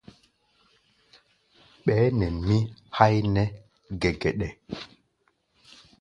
Ɓɛɛ́ nɛ mii háí nɛ́ɛ́ gɛgɛɗɛ.